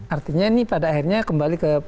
artinya ini pada akhirnya kembali ke